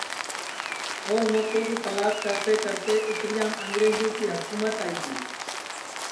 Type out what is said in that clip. اور موکے کی تلاس کرتے کرتے اِتریام انگریجے کی حکُمت آئی گی